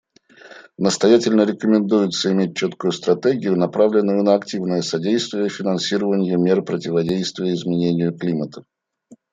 Настоятельно рекомендуется иметь четкую стратегию, направленную на активное содействие финансированию мер противодействия изменению климата.